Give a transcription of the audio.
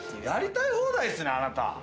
やりたい放題すね、あなた。